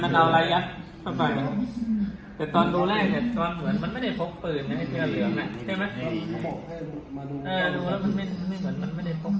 ตั้งแต่ปายเท้าเธอหลวง